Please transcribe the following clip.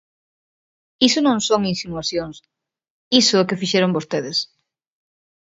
Iso non son insinuacións, iso é o que fixeron vostedes.